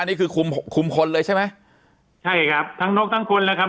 นี่คือคุมคุมคนเลยใช่ไหมใช่ครับทั้งนกทั้งคนเลยครับ